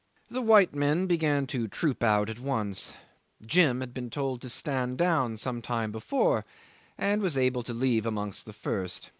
The white men began to troop out at once. Jim had been told to stand down some time before, and was able to leave amongst the first.